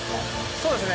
そうですね。